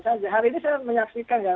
saja hari ini saya menyaksikan ya